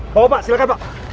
bawa pak silahkan pak